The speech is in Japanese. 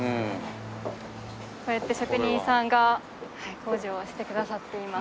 こうやって職人さんが工事をしてくださっています。